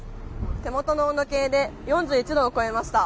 手元の温度計で４１度を超えました。